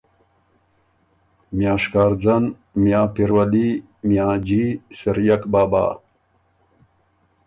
میاں شکارځن، میاں پیرولي، میاں جي، سریَک بابا،